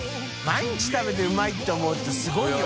萋食べてうまいって思うってすごいよ。